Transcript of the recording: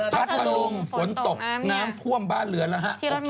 ปัดพลุงฝนตกน้ำท่วมบ้านเรือนนะฮะ